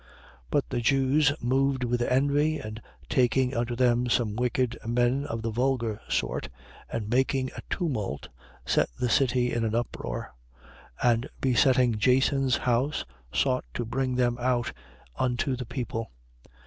17:5. But the Jews, moved with envy and taking unto them some wicked men of the vulgar sort and making a tumult, set the city in an uproar: and besetting Jason's house, sought to bring them out unto the people.